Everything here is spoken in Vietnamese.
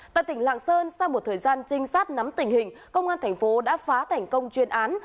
tại tỉnh lạng sơn sau một thời gian trinh sát nắm tình hình công an thành phố đã phá thành công chuyên án